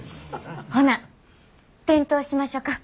ほな点灯しましょか。